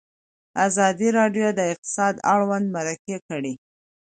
ازادي راډیو د اقتصاد اړوند مرکې کړي.